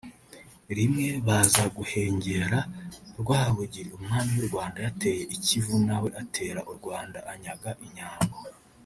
rimwe baza guhengera Rwabugili Umwami w’u Rwanda yateye i Kivu nawe atera u Rwanda anyaga Inyambo